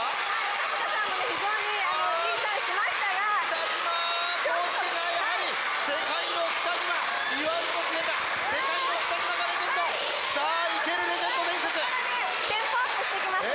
春日さんも非常にいいターンしましたが北島康介がやはり世界の北島言わずと知れた世界の北島がレジェンドさあ生けるレジェンド伝説ここからねテンポアップしてきますよ